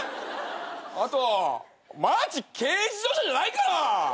あとマーチ軽自動車じゃないから！